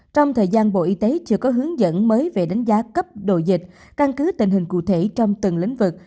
trong thời gian bộ y tế chưa có hướng dẫn mới về đánh giá cấp độ dịch căn cứ tình hình cụ thể trong từng lĩnh vực